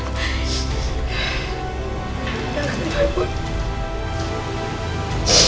ya ampun ibu